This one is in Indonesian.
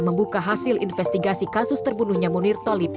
membuka hasil investigasi kasus terbunuhnya munir tolib